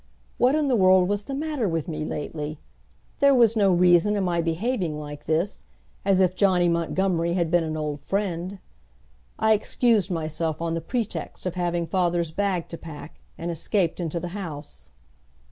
What in the world was the matter with me lately? There was no reason in my behaving like this, as if Johnny Montgomery had been an old friend. I excused myself on the pretext of having father's bag to pack, and escaped into the house.